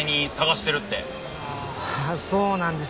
ああそうなんです。